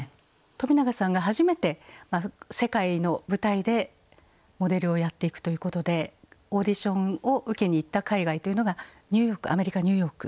冨永さんが初めて世界の舞台でモデルをやっていくということでオーディションを受けに行った海外というのがニューヨークアメリカ・ニューヨーク。